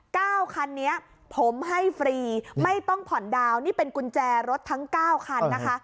เก้าคันนี้ผมให้ฟรีไม่ต้องผ่อนดาวนนี่เป็นกุญแจรถทั้งเก้าคันนะคะ